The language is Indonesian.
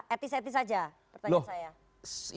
etis etis saja pertanyaan saya